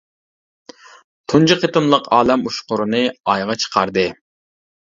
تۇنجى قېتىملىق ئالەم ئۇچقۇرىنى ئايغا چىقاردى.